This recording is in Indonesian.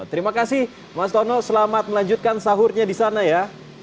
terima kasih mas tono selamat melanjutkan sahurnya di sana ya